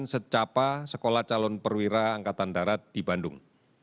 secapa sekolah calon perwira angkatan darat di bandung